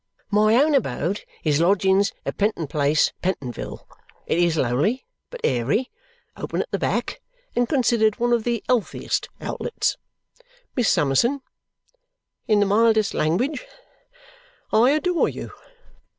My own abode is lodgings at Penton Place, Pentonville. It is lowly, but airy, open at the back, and considered one of the 'ealthiest outlets. Miss Summerson! In the mildest language, I adore you.